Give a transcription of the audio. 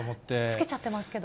つけちゃってますけど。